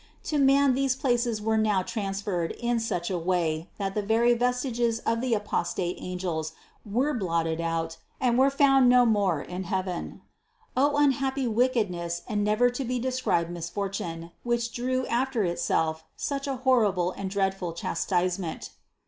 To man these places were now transferred in such a way that the very vestiges of the apostate an gels were blotted out and were no more found in heaven. O unhappy wickedness and never to be described mis fortune, which drew after itself such a horrible and dreadful chastisement!